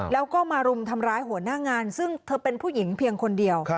แล้วก็มารุมทำร้ายหัวหน้างานซึ่งเธอเป็นผู้หญิงเพียงคนเดียว